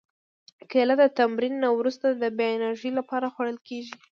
کېله د تمرین نه وروسته د بیا انرژي لپاره خوړل کېږي.